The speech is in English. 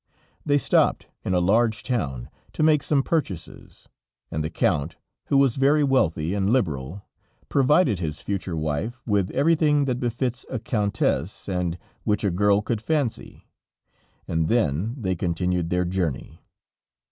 They stopped in a large town to make some purchases, and the Count, who was very wealthy and liberal, provided his future wife with everything that befits a Countess, and which a girl could fancy, and then they continued their journey.